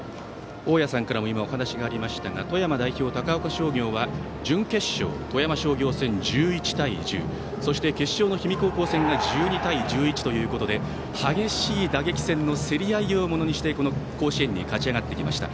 大矢さんからも今、お話がありましたが富山代表、高岡商業は準決勝、富山商業戦１１対１０決勝の氷見高校戦が１１対１２という激しい打撃戦を競り合いをものにして甲子園に勝ち上がってきました。